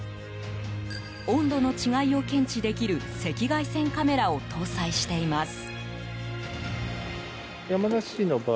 温度の違いを検知できる赤外線カメラを搭載しています。